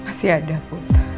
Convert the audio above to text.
masih ada put